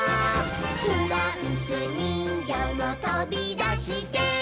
「フランスにんぎょうもとびだして」